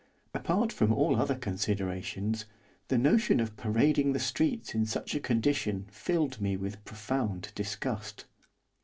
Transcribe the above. Apart from all other considerations, the notion of parading the streets in such a condition filled me with profound disgust.